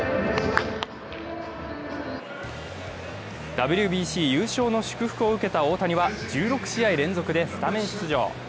ＷＢＣ優勝の祝福を受けた大谷は１６試合連続でスタメン出場。